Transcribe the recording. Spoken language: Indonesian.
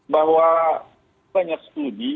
bahwa banyak studi